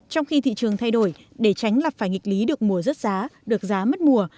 trong khi thị trường thay đổi để tránh lập phải nghịch lý được mùa rớt giá được giá mất mùa